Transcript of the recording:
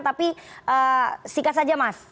tapi sikat saja mas